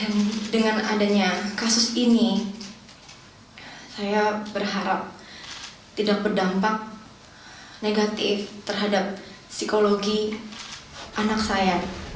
dan dengan adanya kasus ini saya berharap tidak berdampak negatif terhadap psikologi anak saya